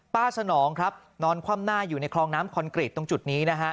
สนองครับนอนคว่ำหน้าอยู่ในคลองน้ำคอนกรีตตรงจุดนี้นะฮะ